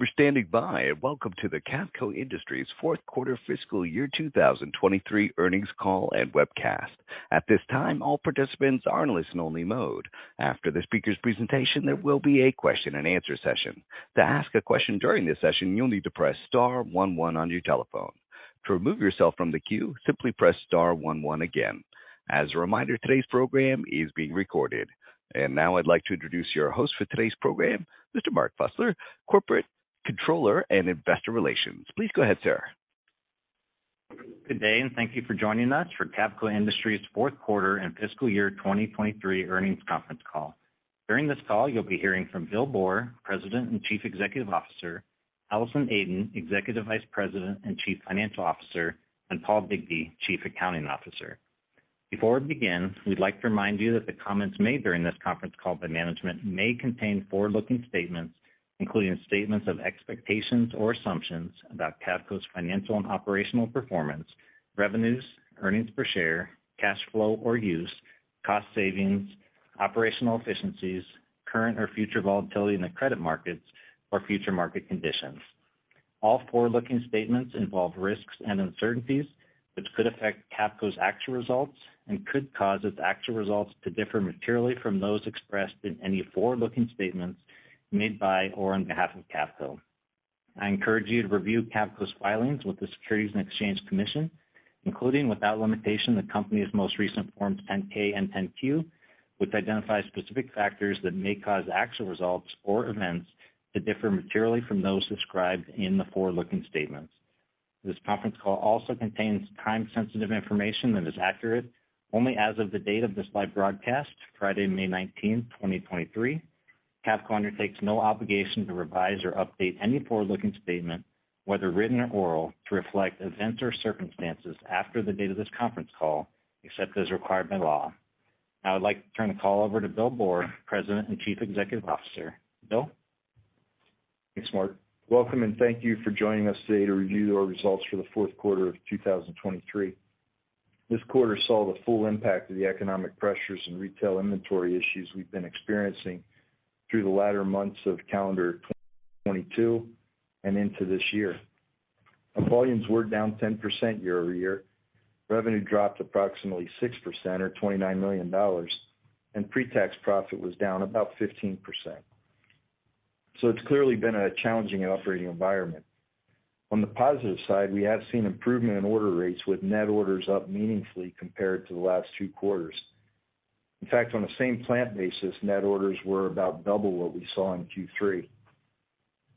Thank you for standing by, welcome to the Cavco Industries fourth quarter fiscal year 2023 earnings call and webcast. At this time, all participants are in listen only mode. After the speaker's presentation, there will be a question and answer session. To ask a question during this session, you'll need to press star, one, one on your telephone. To remove yourself from the queue, simply press star, one, one again. As a reminder, today's program is being recorded. Now I'd like to introduce your host for today's program, Mr. Mark Fusler, Corporate Controller and Investor Relations. Please go ahead, sir. Good day, and thank you for joining us for Cavco Industries' fourth quarter and fiscal year 2023 earnings conference call. During this call, you'll be hearing from Bill Boor, President and Chief Executive Officer, Allison Aden, Executive Vice President and Chief Financial Officer, and Paul Bigbee, Chief Accounting Officer. Before we begin, we'd like to remind you that the comments made during this conference call by management may contain forward-looking statements, including statements of expectations or assumptions about Cavco's financial and operational performance, revenues, earnings per share, cash flow or use, cost savings, operational efficiencies, current or future volatility in the credit markets or future market conditions. All forward-looking statements involve risks and uncertainties which could affect Cavco's actual results and could cause its actual results to differ materially from those expressed in any forward-looking statements made by or on behalf of Cavco. I encourage you to review Cavco's filings with the Securities and Exchange Commission, including, without limitation, the company's most recent Forms 10-K and 10-Q, which identify specific factors that may cause actual results or events to differ materially from those described in the forward-looking statements. This conference call also contains time-sensitive information that is accurate only as of the date of this live broadcast, Friday, May 19th, 2023. Cavco undertakes no obligation to revise or update any forward-looking statement, whether written or oral, to reflect events or circumstances after the date of this conference call, except as required by law. Now I'd like to turn the call over to Bill Boor, President and Chief Executive Officer. Bill? Thanks, Mark. Welcome and thank you for joining us today to review our results for the fourth quarter of 2023. This quarter saw the full impact of the economic pressures and retail inventory issues we've been experiencing through the latter months of calendar 2022 and into this year. Our volumes were down 10% year-over-year. Revenue dropped approximately 6% or $29 million, and pre-tax profit was down about 15%. It's clearly been a challenging operating environment. On the positive side, we have seen improvement in order rates with net orders up meaningfully compared to the last two quarters. In fact, on the same plant basis, net orders were about double what we saw in Q3.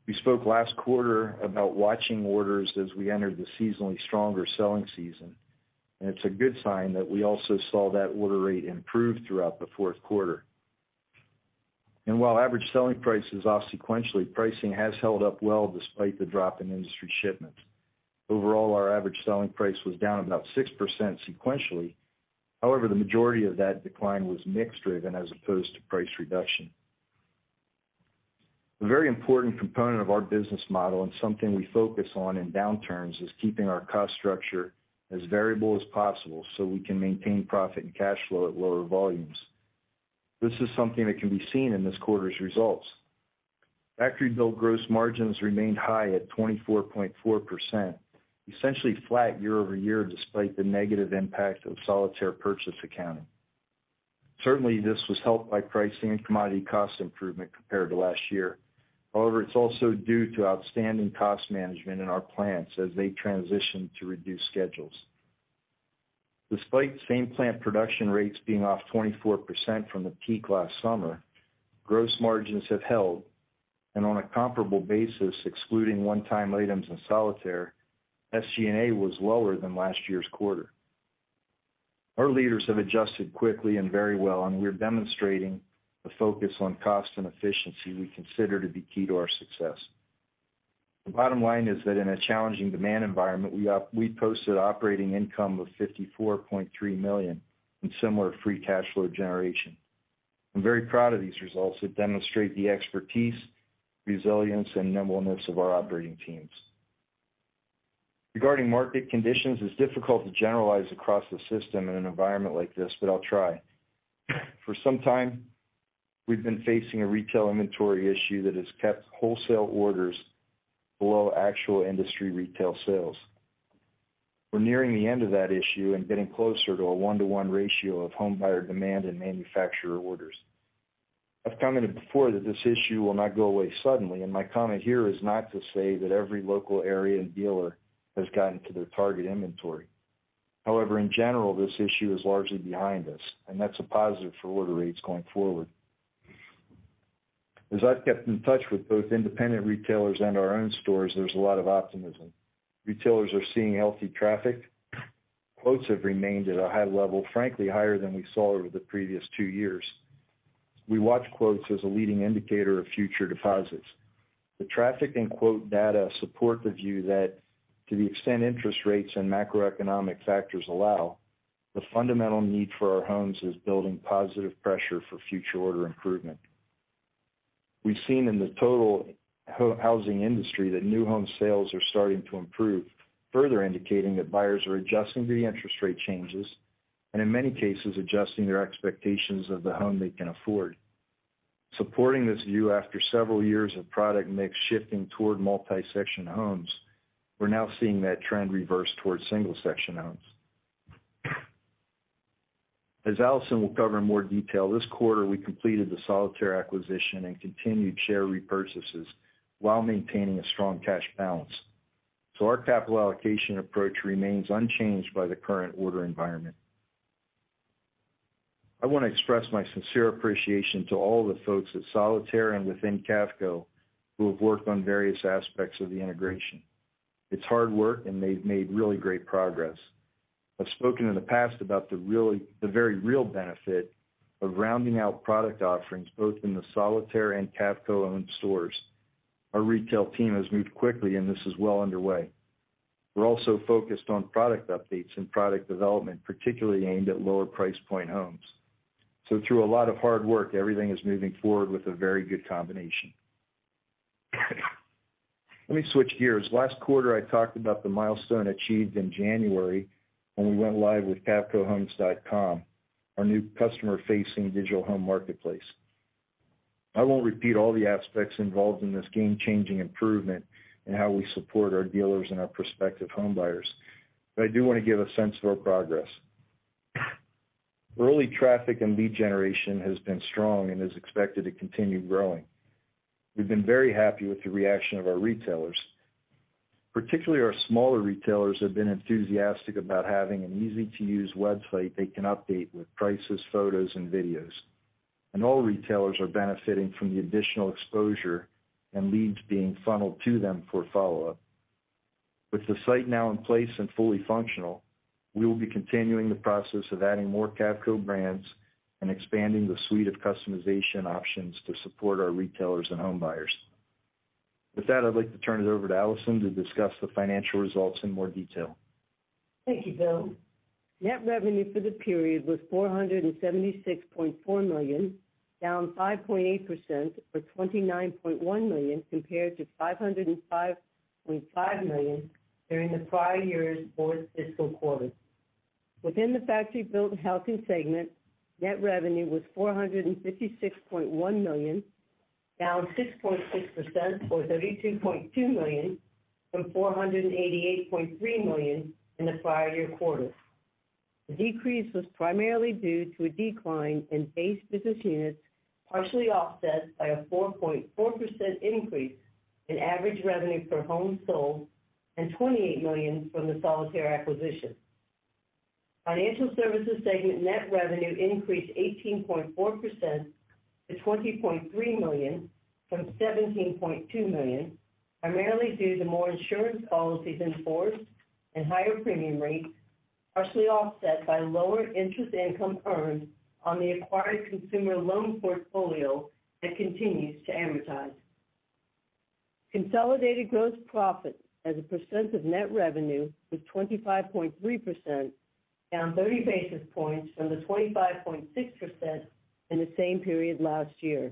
We spoke last quarter about watching orders as we entered the seasonally stronger selling season, and it's a good sign that we also saw that order rate improve throughout the fourth quarter. While average selling price is off sequentially, pricing has held up well despite the drop in industry shipments. Overall, our average selling price was down about 6% sequentially. However, the majority of that decline was mix-driven as opposed to price reduction. A very important component of our business model and something we focus on in downturns is keeping our cost structure as variable as possible so we can maintain profit and cash flow at lower volumes. This is something that can be seen in this quarter's results. Factory build gross margins remained high at 24.4%, essentially flat year-over-year despite the negative impact of Solitaire purchase accounting. Certainly, this was helped by pricing and commodity cost improvement compared to last year. However, it's also due to outstanding cost management in our plants as they transition to reduced schedules. Despite same plant production rates being off 24% from the peak last summer, gross margins have held. On a comparable basis, excluding one-time items in Solitaire, SG&A was lower than last year's quarter. Our leaders have adjusted quickly and very well, and we're demonstrating the focus on cost and efficiency we consider to be key to our success. The bottom line is that in a challenging demand environment, we posted operating income of $54.3 million in similar free cash flow generation. I'm very proud of these results that demonstrate the expertise, resilience, and nimbleness of our operating teams. Regarding market conditions, it's difficult to generalize across the system in an environment like this. I'll try. For some time, we've been facing a retail inventory issue that has kept wholesale orders below actual industry retail sales. We're nearing the end of that issue and getting closer to a one-to-one ratio of home buyer demand and manufacturer orders. I've commented before that this issue will not go away suddenly. My comment here is not to say that every local area and dealer has gotten to their target inventory. However, in general, this issue is largely behind us. That's a positive for order rates going forward. As I've kept in touch with both independent retailers and our own stores, there's a lot of optimism. Retailers are seeing healthy traffic. Quotes have remained at a high level, frankly higher than we saw over the previous two years. We watch quotes as a leading indicator of future deposits. The traffic and quote data support the view that to the extent interest rates and macroeconomic factors allow, the fundamental need for our homes is building positive pressure for future order improvement. We've seen in the total housing industry that new home sales are starting to improve, further indicating that buyers are adjusting to the interest rate changes. In many cases, adjusting their expectations of the home they can afford. Supporting this view after several years of product mix shifting toward multi-section homes, we're now seeing that trend reverse towards single section homes. As Allison will cover in more detail, this quarter we completed the Solitaire acquisition and continued share repurchases while maintaining a strong cash balance. Our capital allocation approach remains unchanged by the current order environment. I wanna express my sincere appreciation to all the folks at Solitaire and within Cavco who have worked on various aspects of the integration. It's hard work, and they've made really great progress. I've spoken in the past about the very real benefit of rounding out product offerings both in the Solitaire and Cavco-owned stores. Our retail team has moved quickly, and this is well underway. We're also focused on product updates and product development, particularly aimed at lower price point homes. Through a lot of hard work, everything is moving forward with a very good combination. Let me switch gears. Last quarter, I talked about the milestone achieved in January when we went live with cavcohomes.com, our new customer-facing digital home marketplace. I won't repeat all the aspects involved in this game-changing improvement in how we support our dealers and our prospective home buyers, but I do wanna give a sense of our progress. Early traffic and lead generation has been strong and is expected to continue growing. We've been very happy with the reaction of our retailers. Particularly our smaller retailers have been enthusiastic about having an easy-to-use website they can update with prices, photos, and videos. All retailers are benefiting from the additional exposure and leads being funneled to them for follow-up. With the site now in place and fully functional, we will be continuing the process of adding more Cavco brands and expanding the suite of customization options to support our retailers and home buyers. With that, I'd like to turn it over to Allison to discuss the financial results in more detail. Thank you, Bill. Net revenue for the period was $476.4 million, down 5.8% or $29.1 million compared to $505.5 million during the prior year's fourth fiscal quarter. Within the factory built and housing segment, net revenue was $456.1 million, down 6.6% or $32.2 million from $488.3 million in the prior year quarter. The decrease was primarily due to a decline in base business units, partially offset by a 4.4% increase in average revenue per home sold and $28 million from the Solitaire acquisition. Financial services segment net revenue increased 18.4% to $20.3 million from $17.2 million, primarily due to more insurance policies in force and higher premium rates, partially offset by lower interest income earned on the acquired consumer loan portfolio that continues to amortize. Consolidated gross profit as a percent of net revenue was 25.3%, down 30 basis points from the 25.6% in the same period last year.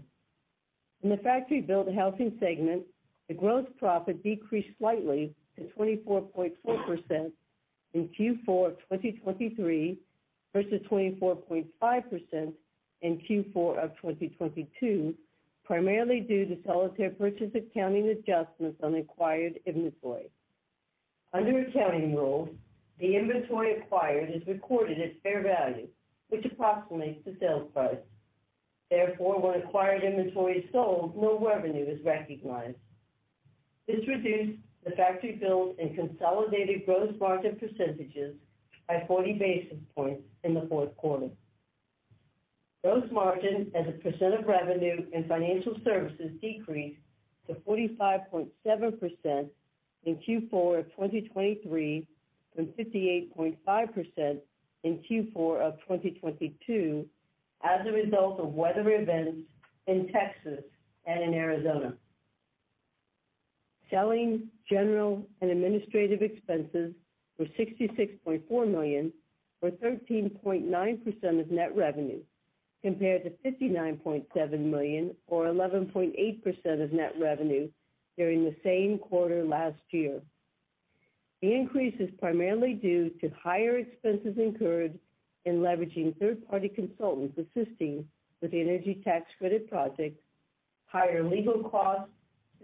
In the factory build housing segment, the gross profit decreased slightly to 24.4% in Q4 2023 versus 24.5% in Q4 of 2022, primarily due to Solitaire purchase accounting adjustments on acquired inventory. Under accounting rules, the inventory acquired is recorded at fair value, which approximates the sales price. Therefore, when acquired inventory is sold, no revenue is recognized. This reduced the factory build and consolidated gross margin percentages by 40 basis points in the fourth quarter. Gross margin as a percent of revenue in financial services decreased to 45.7% in Q4 of 2023 from 58.5% in Q4 of 2022 as a result of weather events in Texas and in Arizona. Selling, general, and administrative expenses were $66.4 million or 13.9% of net revenue, compared to $59.7 million or 11.8% of net revenue during the same quarter last year. The increase is primarily due to higher expenses incurred in leveraging third-party consultants assisting with the energy tax credit projects, higher legal costs,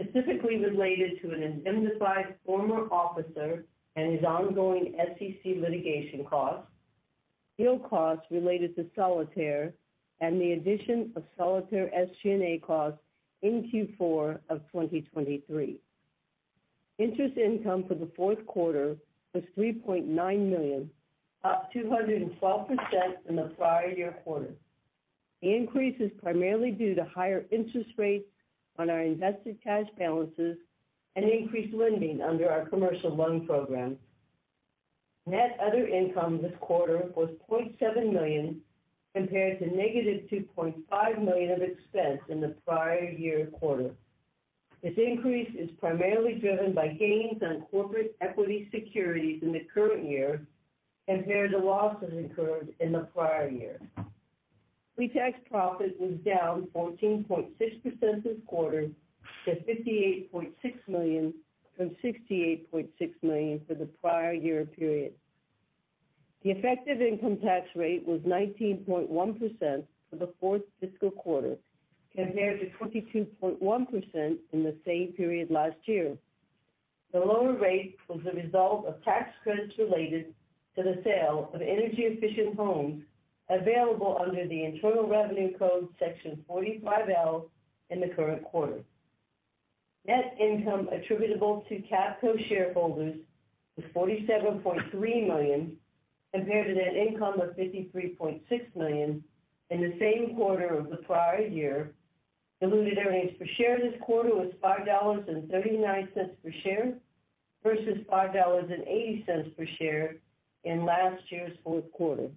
specifically related to an indemnified former officer and his ongoing SEC litigation costs, deal costs related to Solitaire, and the addition of Solitaire SG&A costs in Q4 of 2023. Interest income for the fourth quarter was $3.9 million, up 212% from the prior year quarter. The increase is primarily due to higher interest rates on our invested cash balances and increased lending under our commercial loan program. Net other income this quarter was $0.7 million compared to negative $2.5 million of expense in the prior year quarter. This increase is primarily driven by gains on corporate equity securities in the current year compared to losses incurred in the prior year. Pre-tax profit was down 14.6% this quarter to $58.6 million from $68.6 million for the prior year period. The effective income tax rate was 19.1% for the fourth fiscal quarter compared to 22.1% in the same period last year. The lower rate was a result of tax credits related to the sale of energy-efficient homes available under the Internal Revenue Code Section 45L in the current quarter. Net income attributable to Cavco shareholders was $47.3 million compared to net income of $53.6 million in the same quarter of the prior year. Diluted earnings per share this quarter was $5.39 per share versus $5.80 per share in last year's fourth quarter.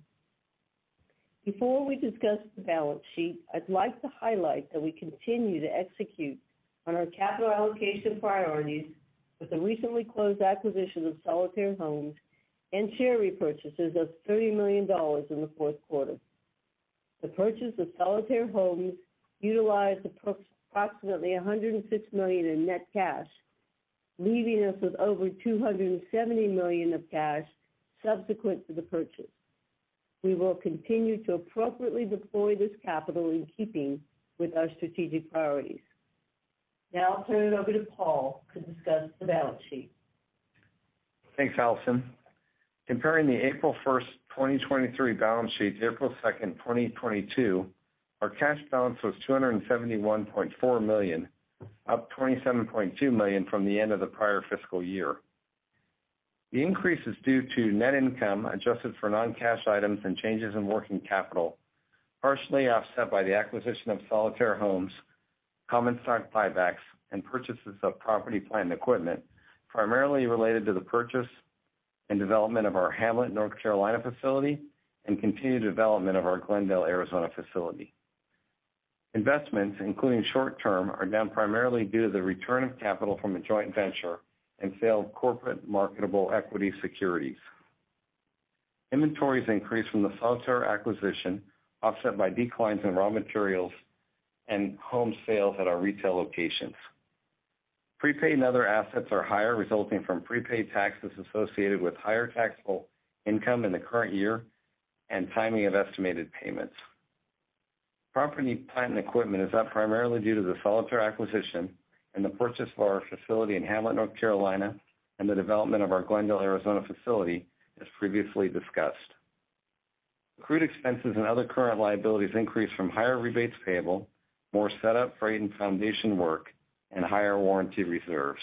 Before we discuss the balance sheet, I'd like to highlight that we continue to execute on our capital allocation priorities with the recently closed acquisition of Solitaire Homes and share repurchases of $30 million in the fourth quarter. The purchase of Solitaire Homes utilized approximately $106 million in net cash, leaving us with over $270 million of cash subsequent to the purchase. We will continue to appropriately deploy this capital in keeping with our strategic priorities. I'll turn it over to Paul to discuss the balance sheet. Thanks, Allison. Comparing the April 1st, 2023 balance sheet to April 2nd, 2022, our cash balance was $271.4 million, up $27.2 million from the end of the prior fiscal year. The increase is due to net income adjusted for non-cash items and changes in working capital, partially offset by the acquisition of Solitaire Homes, common stock buybacks, and purchases of property plant equipment, primarily related to the purchase and development of our Hamlet, North Carolina, facility and continued development of our Glendale, Arizona, facility. Investments, including short term, are down primarily due to the return of capital from a joint venture and sale of corporate marketable equity securities. Inventories increased from the Solitaire acquisition, offset by declines in raw materials and home sales at our retail locations. Prepaid and other assets are higher, resulting from prepaid taxes associated with higher taxable income in the current year and timing of estimated payments. Property, plant, and equipment is up primarily due to the Solitaire acquisition and the purchase of our facility in Hamlet, North Carolina, and the development of our Glendale, Arizona, facility, as previously discussed. Accrued expenses and other current liabilities increased from higher rebates payable, more setup, freight, and foundation work, and higher warranty reserves.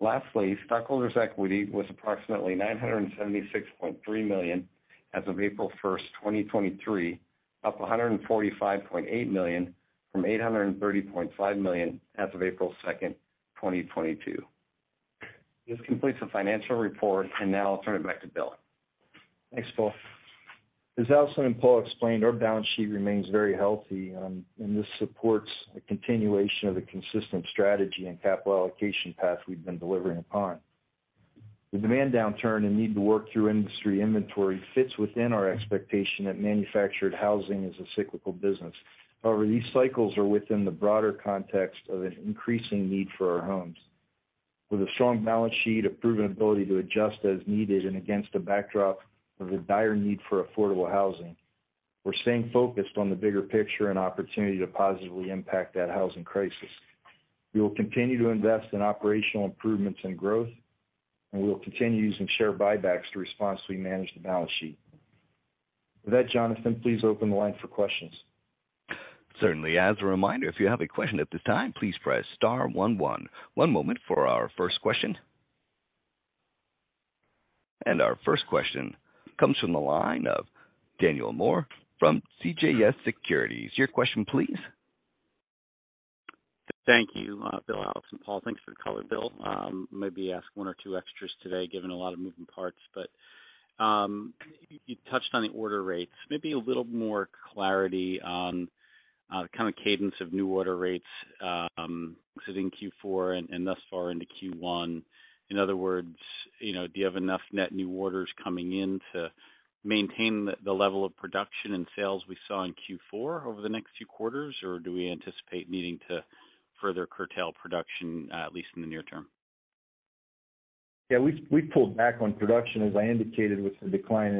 Lastly, stockholders' equity was approximately $976.3 million as of April 1st, 2023, up $145.8 million, from $830.5 million as of April 2nd, 2022. This completes the financial report, and now I'll turn it back to Bill. Thanks, Paul. As Allison and Paul explained, our balance sheet remains very healthy. This supports a continuation of the consistent strategy and capital allocation path we've been delivering upon. The demand downturn and need to work through industry inventory fits within our expectation that manufactured housing is a cyclical business. These cycles are within the broader context of an increasing need for our homes. With a strong balance sheet, a proven ability to adjust as needed, and against the backdrop of the dire need for affordable housing, we're staying focused on the bigger picture and opportunity to positively impact that housing crisis. We will continue to invest in operational improvements and growth, and we will continue using share buybacks to responsibly manage the balance sheet. Jonathan, please open the line for questions. Certainly. As a reminder, if you have a question at this time, please press star one one. One moment for our first question. Our first question comes from the line of Daniel Moore from CJS Securities. Your question, please. Thank you, Bill, Allison, and Paul. Thanks for the color, Bill. Maybe ask one or two extras today, given a lot of moving parts. You touched on the order rates. Maybe a little more clarity on the kind of cadence of new order rates, sitting Q4 and thus far into Q1. In other words, you know, do you have enough net new orders coming in to maintain the level of production and sales we saw in Q4 over the next few quarters? Do we anticipate needing to further curtail production, at least in the near term? Yeah, we pulled back on production, as I indicated, with the decline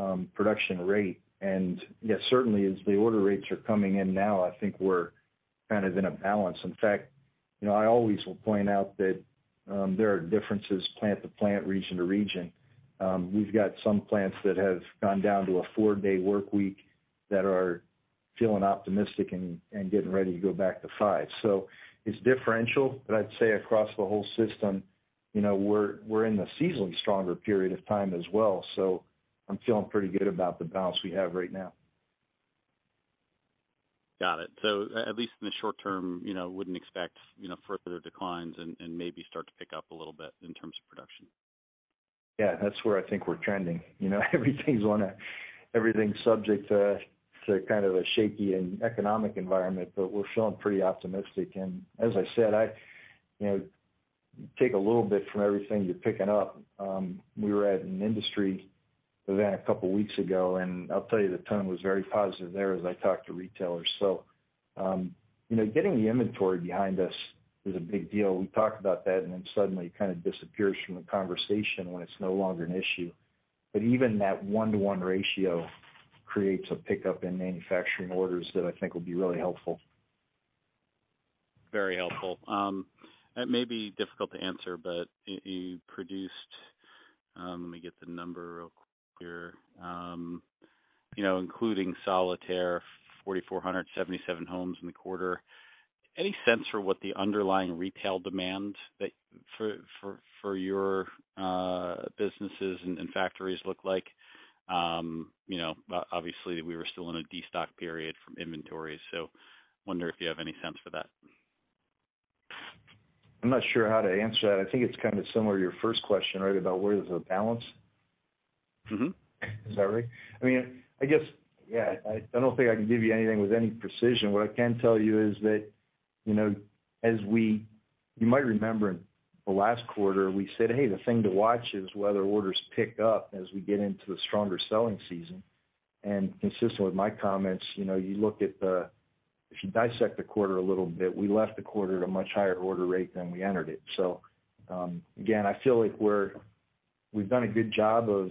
in production rate. Yes, certainly as the order rates are coming in now, I think we're kind of in a balance. In fact, you know, I always will point out that there are differences plant to plant, region to region. We've got some plants that have gone down to a four-day work week that are feeling optimistic and getting ready to go back to five. It's differential, but I'd say across the whole system, you know, we're in the seasonally stronger period of time as well. I'm feeling pretty good about the balance we have right now. Got it. At least in the short term, you know, wouldn't expect, you know, further declines and maybe start to pick up a little bit in terms of production. Yeah, that's where I think we're trending. You know, everything's subject to a shaky and economic environment, but we're feeling pretty optimistic. As I said, I, you know, take a little bit from everything you're picking up. We were at an industry event a couple weeks ago, and I'll tell you the tone was very positive there as I talked to retailers. You know, getting the inventory behind us is a big deal. We talked about that, suddenly it kind of disappears from the conversation when it's no longer an issue. Even that one-to-one ratio creates a pickup in manufacturing orders that I think will be really helpful. Very helpful. It may be difficult to answer, but you produced, let me get the number real quick here. You know, including Solitaire, 4,477 homes in the quarter. Any sense for what the underlying retail demand that for your businesses and factories look like? You know, obviously we were still in a destock period from inventory, so wonder if you have any sense for that. I'm not sure how to answer that. I think it's kind of similar to your first question, right? About where there's a balance. Mm-hmm. Is that right? I mean, I guess, yeah, I don't think I can give you anything with any precision. What I can tell you is that, you know, as we You might remember in the last quarter, we said, "Hey, the thing to watch is whether orders pick up as we get into the stronger selling season." Consistent with my comments, you know, you look at the if you dissect the quarter a little bit, we left the quarter at a much higher order rate than we entered it. Again, I feel like we've done a good job of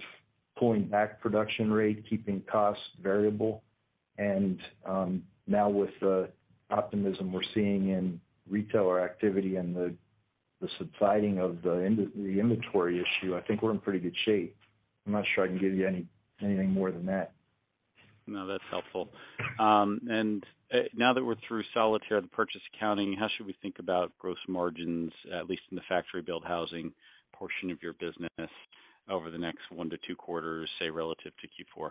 pulling back production rate, keeping costs variable. Now with the optimism we're seeing in retailer activity and the subsiding of the inventory issue, I think we're in pretty good shape. I'm not sure I can give you anything more than that. No, that's helpful. Now that we're through Solitaire and the purchase accounting, how should we think about gross margins, at least in the factory-built housing portion of your business over the next one to two quarters, say, relative to Q4?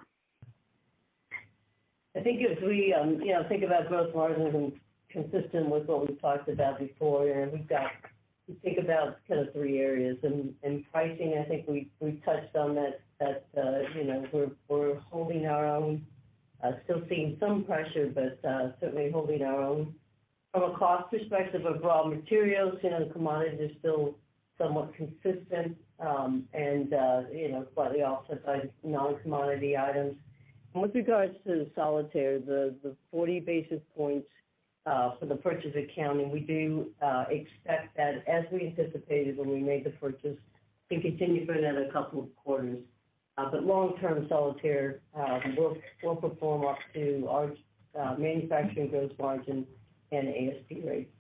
I think as we, you know, think about gross margins and consistent with what we've talked about before, we've got to think about kind of three areas. In pricing, I think we touched on that, you know, we're holding our own. Still seeing some pressure, but certainly holding our own. From a cost perspective of raw materials, you know, the commodity is still somewhat consistent, and, you know, slightly offset by non-commodity items. With regards to the Solitaire, the 40 basis points for the purchase accounting, we do expect that as we anticipated when we made the purchase to continue for another couple of quarters. Long term, Solitaire will perform up to our manufacturing gross margin and ASP rates.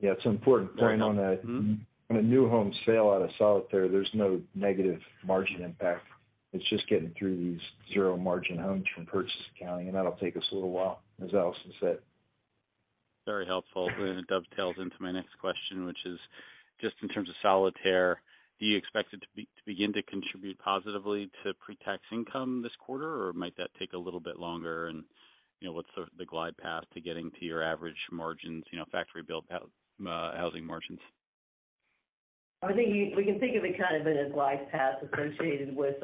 Yeah. It's important to point on that. Mm-hmm. On a new home sale out of Solitaire, there's no negative margin impact. It's just getting through these zero margin homes from purchase accounting. That'll take us a little while, as Allison said. Very helpful. It dovetails into my next question, which is just in terms of Solitaire, do you expect it to begin to contribute positively to pre-tax income this quarter, or might that take a little bit longer? You know, what's the glide path to getting to your average margins, you know, factory build path, housing margins? I think we can think of it kind of in a glide path associated with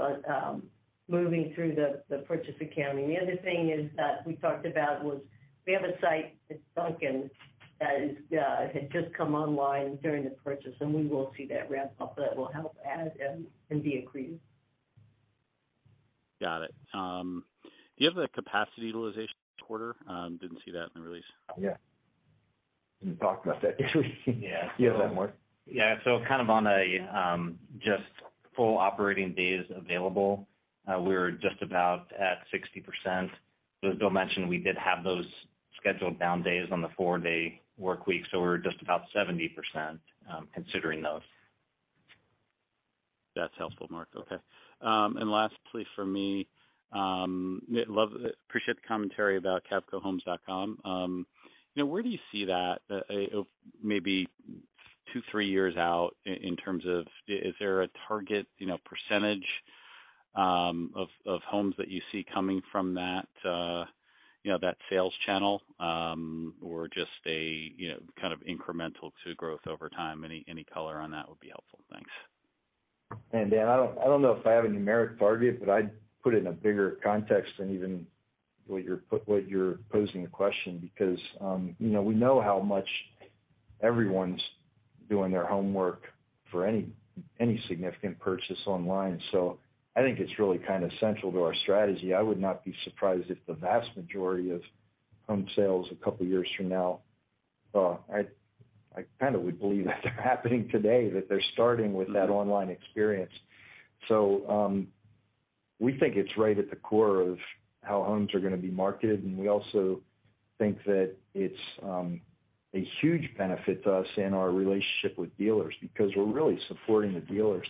moving through the purchase accounting. The other thing is that we talked about was we have a site at Duncan that is had just come online during the purchase, and we will see that ramp up. That will help add and be accretive. Got it. Do you have the capacity utilization quarter? Didn't see that in the release. Yeah. Didn't talk about that this week. Yeah. You have that, Mark? Yeah. Kind of on a just full operating days available, we're just about at 60%. Bill mentioned we did have those scheduled down days on the four-day work week, we're just about 70% considering those. That's helpful, Mark. Okay. Lastly for me, appreciate the commentary about cavcohomes.com. You know, where do you see that, maybe two, three years out in terms of is there a target, you know, percentage of homes that you see coming from that, you know, that sales channel, or just a, you know, kind of incremental to growth over time? Any color on that would be helpful. Thanks. Dan, I don't know if I have a numeric target, but I'd put it in a bigger context than even what you're posing the question because, you know, we know how much everyone's doing their homework for any significant purchase online. I think it's really kind of central to our strategy. I would not be surprised if the vast majority of home sales a couple years from now, I kind of would believe that they're happening today, that they're starting with that online experience. We think it's right at the core of how homes are gonna be marketed, and we also think that it's a huge benefit to us in our relationship with dealers because we're really supporting the dealers.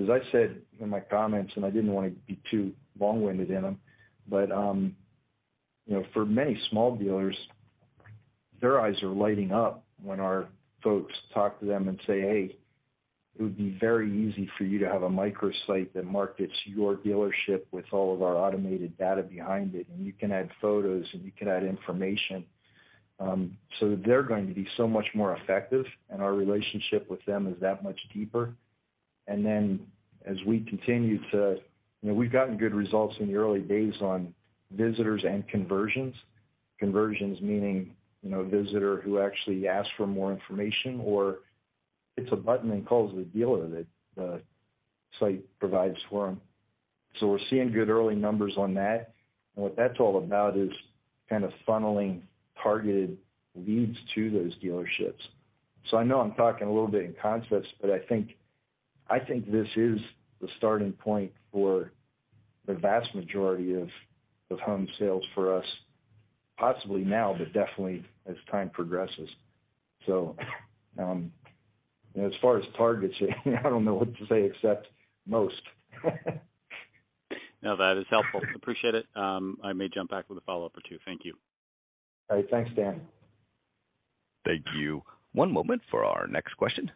As I said in my comments, and I didn't want to be too long-winded in them, but, you know, for many small dealers, their eyes are lighting up when our folks talk to them and say, "Hey, it would be very easy for you to have a microsite that markets your dealership with all of our automated data behind it, and you can add photos, and you can add information." So they're going to be so much more effective, and our relationship with them is that much deeper. As we continue to, you know, we've gotten good results in the early days on visitors and conversions. Conversions meaning, you know, a visitor who actually asks for more information, or hits a button and calls the dealer that the site provides for them. So we're seeing good early numbers on that. What that's all about is kind of funneling targeted leads to those dealerships. I know I'm talking a little bit in concepts, but I think this is the starting point for the vast majority of home sales for us possibly now, but definitely as time progresses. As far as targets, I don't know what to say except most. No, that is helpful. Appreciate it. I may jump back with a follow-up or two. Thank you. All right. Thanks, Dan. Thank you. One moment for our next question.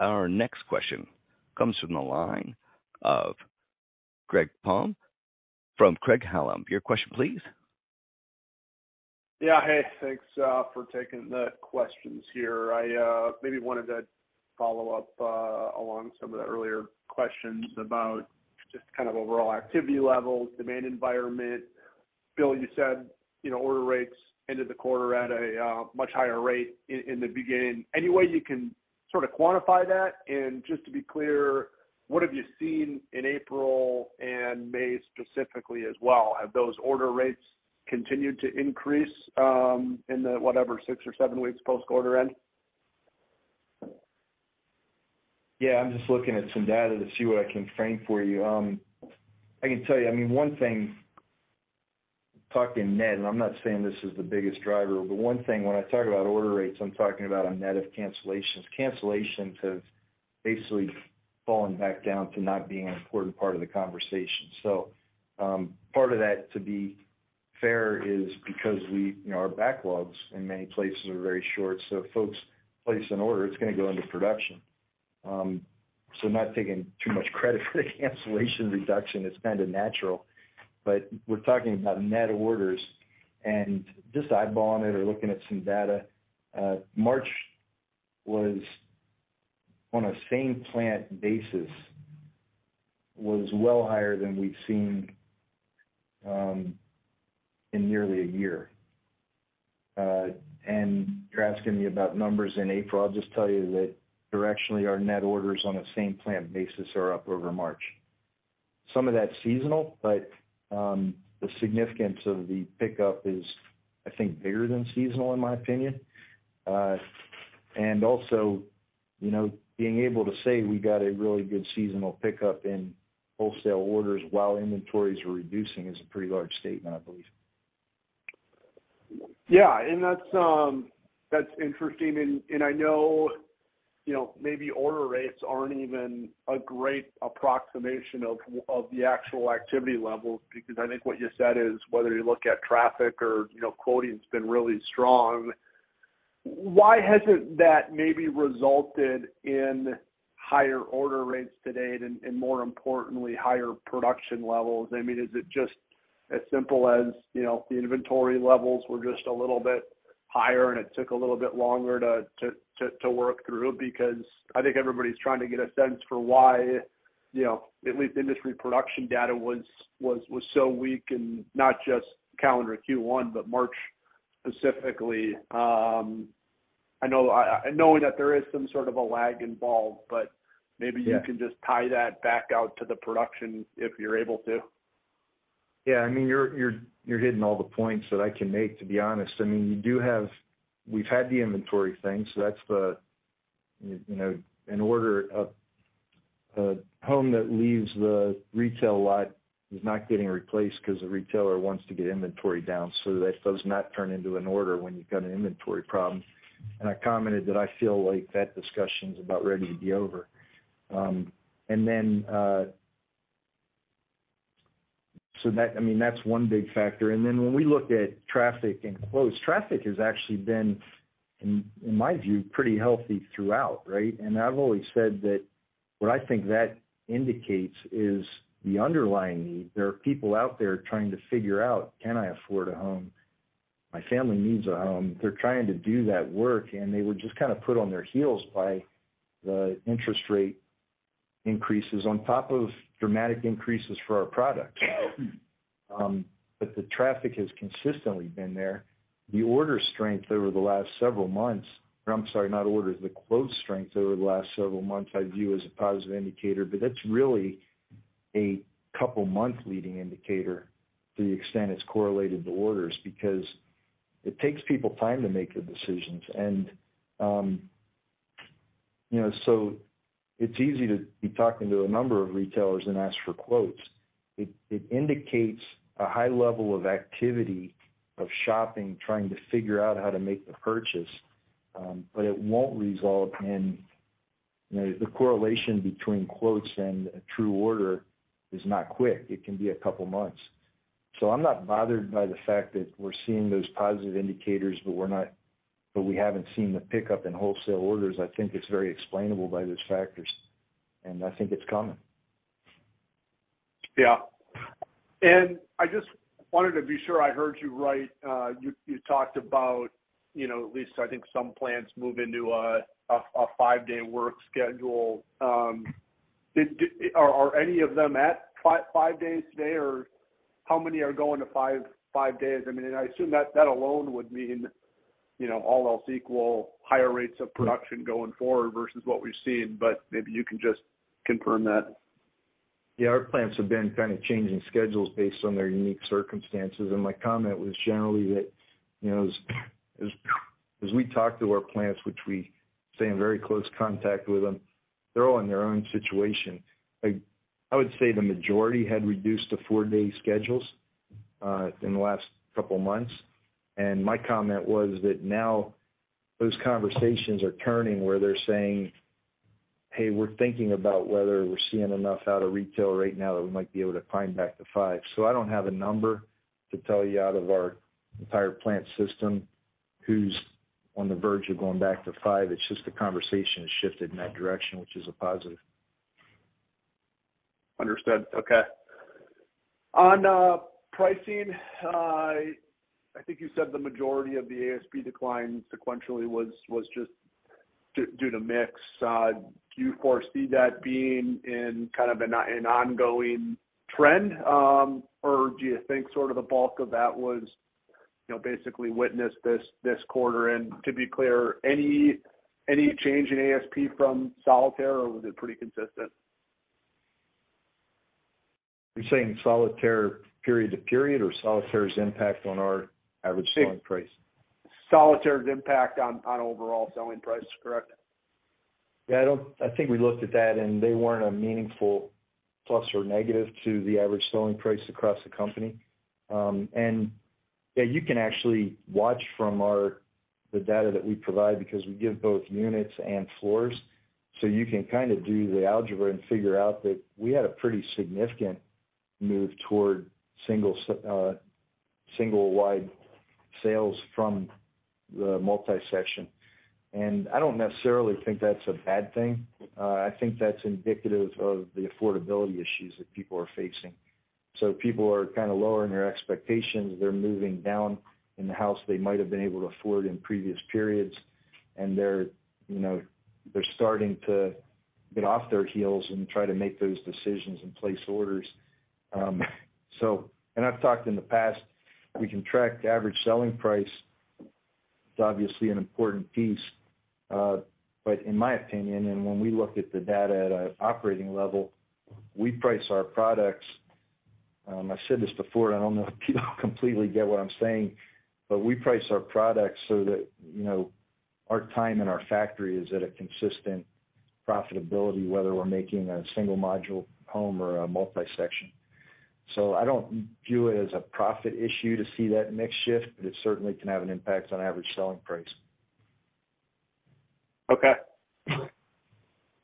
Our next question comes from the line of Greg Palm from Craig-Hallum. Your question, please. Yeah, hey, thanks for taking the questions here. I maybe wanted to follow up along some of the earlier questions about just kind of overall activity levels, demand environment. Bill, you said, you know, order rates ended the quarter at a much higher rate in the beginning. Any way you can sort of quantify that? Just to be clear, what have you seen in April and May specifically as well? Have those order rates continued to increase in the whatever, six or seven weeks post quarter end? I'm just looking at some data to see what I can frame for you. I can tell you, I mean, one thing, talking net, I'm not saying this is the biggest driver, one thing when I talk about order rates, I'm talking about a net of cancellations. Cancellations have basically fallen back down to not being an important part of the conversation. Part of that, to be fair, is because we, you know, our backlogs in many places are very short. If folks place an order, it's gonna go into production. I'm not taking too much credit for the cancellation reduction. It's kind of natural. We're talking about net orders and just eyeballing it or looking at some data, March was on a same plant basis, was well higher than we've seen in nearly a year. You're asking me about numbers in April. I'll just tell you that directionally, our net orders on a same plant basis are up over March. Some of that's seasonal, but the significance of the pickup is, I think, bigger than seasonal, in my opinion. Also, you know, being able to say we got a really good seasonal pickup in wholesale orders while inventories are reducing is a pretty large statement, I believe. Yeah. That's, that's interesting. I know, you know, maybe order rates aren't even a great approximation of the actual activity levels, because I think what you said is whether you look at traffic or, you know, quoting's been really strong. Why hasn't that maybe resulted in higher order rates to date and, more importantly, higher production levels? I mean, is it just as simple as, you know, the inventory levels were just a little bit higher and it took a little bit longer to work through? Because I think everybody's trying to get a sense for why, you know, at least industry production data was so weak, and not just calendar Q1, but March specifically. I know, knowing that there is some sort of a lag involved, but maybe... Yeah. You can just tie that back out to the production if you're able to. Yeah, I mean, you're hitting all the points that I can make, to be honest. I mean, we've had the inventory thing, so that's the, you know, an order of a home that leaves the retail lot is not getting replaced because the retailer wants to get inventory down. That does not turn into an order when you've got an inventory problem. I commented that I feel like that discussion's about ready to be over. That, I mean, that's one big factor. When we look at traffic and close, traffic has actually been, in my view, pretty healthy throughout, right? I've always said that what I think that indicates is the underlying need. There are people out there trying to figure out, can I afford a home? My family needs a home. They're trying to do that work, and they were just kind of put on their heels by the interest rate increases on top of dramatic increases for our products. The traffic has consistently been there. The order strength over the last several months, or I'm sorry, not orders, the close strength over the last several months I view as a positive indicator. That's really a couple month leading indicator to the extent it's correlated to orders because it takes people time to make the decisions. You know, so it's easy to be talking to a number of retailers and ask for quotes. It indicates a high level of activity of shopping, trying to figure out how to make the purchase. It won't result in, you know, the correlation between quotes and a true order is not quick. It can be a couple months. I'm not bothered by the fact that we're seeing those positive indicators, but we haven't seen the pickup in wholesale orders. I think it's very explainable by those factors, and I think it's coming. Yeah. I just wanted to be sure I heard you right. You talked about, you know, at least I think some plants move into a five-day work schedule. Are any of them at five days today, or how many are going to five days? I mean, I assume that alone would mean, you know, all else equal, higher rates of production going forward versus what we've seen, but maybe you can just confirm that. Yeah. Our plants have been kind of changing schedules based on their unique circumstances. My comment was generally that, you know, as we talk to our plants, which we stay in very close contact with them, they're all in their own situation. Like, I would say the majority had reduced to four-day schedules in the last couple months. My comment was that now those conversations are turning where they're saying, "Hey, we're thinking about whether we're seeing enough out of retail right now that we might be able to climb back to five." I don't have a number to tell you out of our entire plant system who's on the verge of going back to five. It's just the conversation has shifted in that direction, which is a positive. Understood. Okay. On pricing, I think you said the majority of the ASP decline sequentially was just due to mix. Do you foresee that being in kind of an ongoing trend? Or do you think sort of the bulk of that was, you know, basically witnessed this quarter? To be clear, any change in ASP from Solitaire, or was it pretty consistent? You're saying Solitaire period to period or Solitaire's impact on our average selling price? Solitaire's impact on overall selling price, correct? Yeah, I don't think we looked at that, and they weren't a meaningful plus or negative to the average selling price across the company. Yeah, you can actually watch from our, the data that we provide because we give both units and floors. You can kind of do the algebra and figure out that we had a pretty significant move toward single wide sales from the multi-section. I don't necessarily think that's a bad thing. I think that's indicative of the affordability issues that people are facing. People are kind of lowering their expectations. They're moving down in the house they might have been able to afford in previous periods. They're, you know, they're starting to get off their heels and try to make those decisions and place orders. I've talked in the past, we can track the average selling price. It's obviously an important piece. In my opinion, and when we look at the data at an operating level, we price our products, I've said this before, and I don't know if people completely get what I'm saying, but we price our products so that, you know, our time and our factory is at a consistent profitability, whether we're making a single module home or a multi-section. I don't view it as a profit issue to see that mix shift, but it certainly can have an impact on average selling price. Okay.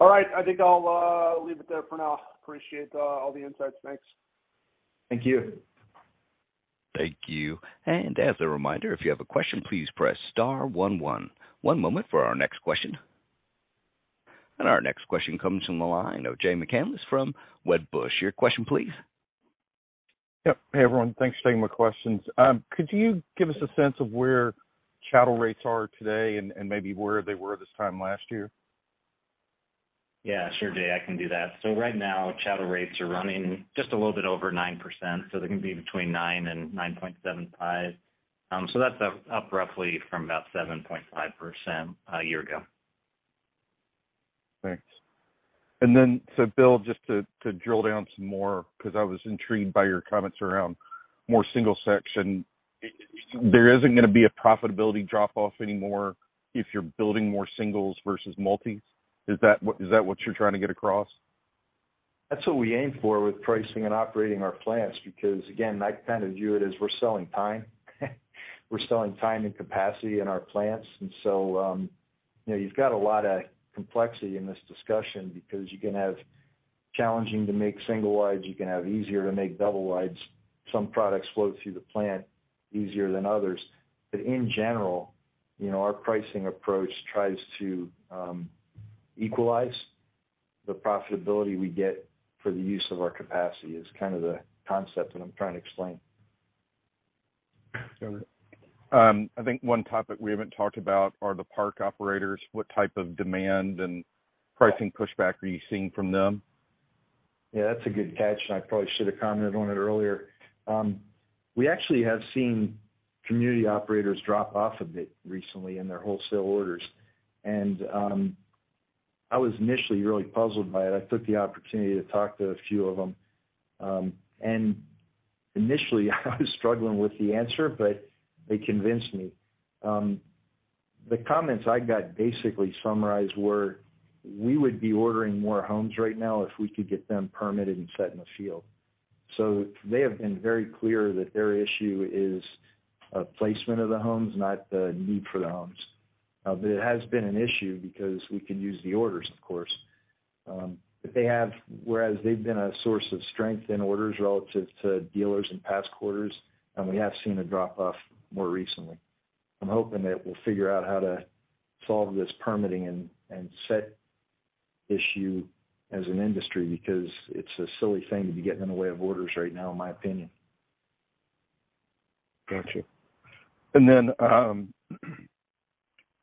All right. I think I'll leave it there for now. Appreciate all the insights. Thanks. Thank you. Thank you. As a reminder, if you have a question, please press star one one. One moment for our next question. Our next question comes from the line of Jay McCanless from Wedbush. Your question, please. Yep. Hey, everyone. Thanks for taking my questions. Could you give us a sense of where chattel rates are today and maybe where they were this time last year? Yeah, sure, Jay, I can do that. Right now, chattel rates are running just a little bit over 9%, they can be between 9% and 9.75%. That's up roughly from about 7.5% a year ago. Thanks. Bill, just to drill down some more because I was intrigued by your comments around more single section. There isn't gonna be a profitability drop off anymore if you're building more singles versus multis. Is that what you're trying to get across? That's what we aim for with pricing and operating our plants because again, I kind of view it as we're selling time. We're selling time and capacity in our plants. So, you know, you've got a lot of complexity in this discussion because you can have challenging to make single wides, you can have easier to make double wides. Some products flow through the plant easier than others. In general, you know, our pricing approach tries to equalize the profitability we get for the use of our capacity is kind of the concept that I'm trying to explain. Got it. I think one topic we haven't talked about are the park operators. What type of demand and pricing pushback are you seeing from them? Yeah, that's a good catch, and I probably should have commented on it earlier. We actually have seen community operators drop off a bit recently in their wholesale orders. I was initially really puzzled by it. I took the opportunity to talk to a few of them. Initially, I was struggling with the answer, but they convinced me. The comments I got basically summarized were, "We would be ordering more homes right now if we could get them permitted and set in the field." They have been very clear that their issue is placement of the homes, not the need for the homes. It has been an issue because we could use the orders, of course. Whereas they've been a source of strength in orders relative to dealers in past quarters, and we have seen a drop off more recently. I'm hoping that we'll figure out how to solve this permitting and set issue as an industry because it's a silly thing to be getting in the way of orders right now, in my opinion. Gotcha.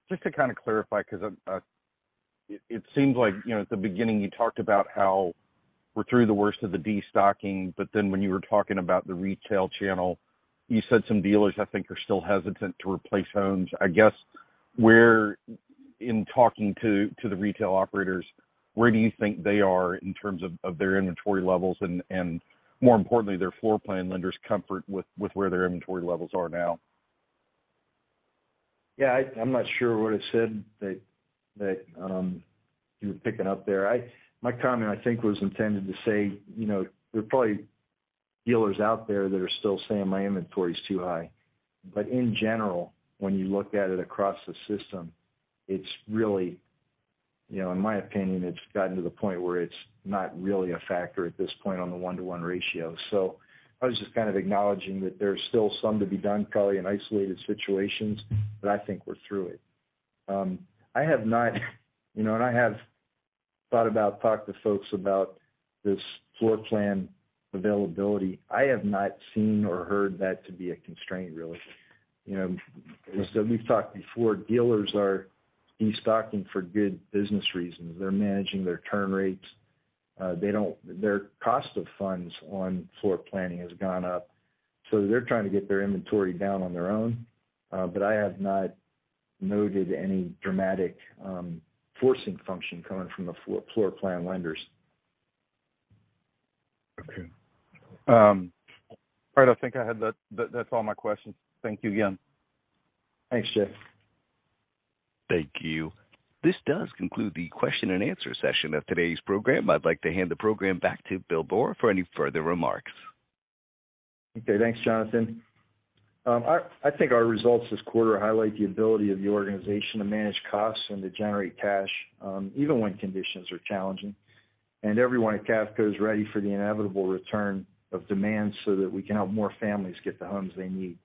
Just to kind of clarify, 'cause it seems like, you know, at the beginning, you talked about how we're through the worst of the destocking, when you were talking about the retail channel, you said some dealers, I think, are still hesitant to replace homes. In talking to the retail operators, where do you think they are in terms of their inventory levels and more importantly, their floor plan lenders comfort with where their inventory levels are now? I'm not sure what I said that, you were picking up there. My comment, I think, was intended to say, you know, there are probably dealers out there that are still saying my inventory is too high. In general, when you look at it across the system, it's really, you know, in my opinion, it's gotten to the point where it's not really a factor at this point on the one-to-one ratio. I was just kind of acknowledging that there's still some to be done, probably in isolated situations, but I think we're through it. I have not, you know, and I have thought about talking to folks about this floor plan availability. I have not seen or heard that to be a constraint, really. You know, as we've talked before, dealers are destocking for good business reasons. They're managing their turn rates. Their cost of funds on floor planning has gone up, so they're trying to get their inventory down on their own. I have not noted any dramatic forcing function coming from the floor plan lenders. Okay. all right. That's all my questions. Thank you again. Thanks, Jay. Thank you. This does conclude the question and answer session of today's program. I'd like to hand the program back to Bill Boor for any further remarks. Okay. Thanks, Jonathan. I think our results this quarter highlight the ability of the organization to manage costs and to generate cash, even when conditions are challenging. Everyone at Cavco is ready for the inevitable return of demand so that we can help more families get the homes they need.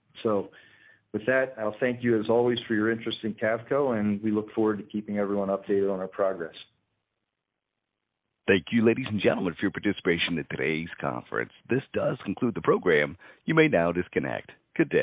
With that, I'll thank you, as always, for your interest in Cavco, and we look forward to keeping everyone updated on our progress. Thank you, ladies and gentlemen, for your participation in today's conference. This does conclude the program. You may now disconnect. Good day.